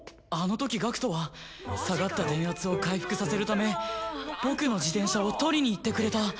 あのとき学人は下がった電圧を回復させるため僕の自転車を取りに行ってくれた。